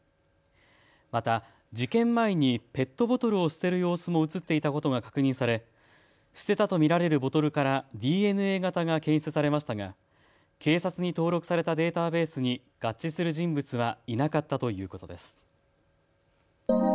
また事件前にペットボトルを捨てる様子も写っていたことが確認され捨てたと見られるボトルからＤＮＡ型が検出されましたが警察に登録されたデータベースに合致する人物はいなかったということです。